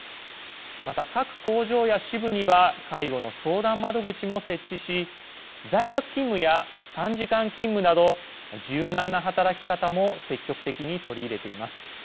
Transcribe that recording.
また、各工場や支部には介護の相談窓口も設置し在宅勤務や短時間勤務など柔軟な働き方も積極的に取り入れています。